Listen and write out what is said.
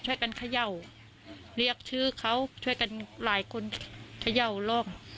เขย่าเรียกชื่อเขาช่วยกันหลายคนเขย่าร่อง